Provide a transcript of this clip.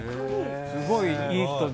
すごい、いい人で。